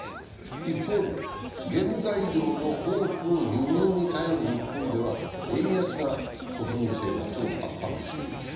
一方で、原材料の多くを輸入に頼る日本では円安が国民生活を圧迫しています。